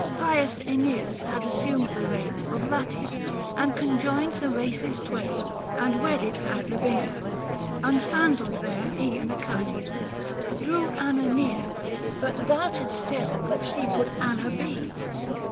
Pius iEneas had assumed the reign 645 Of Latium, and conjoined the races twain, And wedded had Lavinia ; unsandall'd there He and Achates walked ; drew Anna near ; 90 THE FASTI. Book III. But doubted still that she could Anna be.